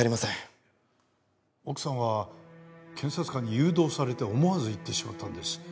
奥さんは検察官に誘導されて思わず言ってしまったんです。